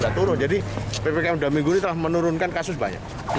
sudah turun jadi ppkm dua minggu ini telah menurunkan kasus banyak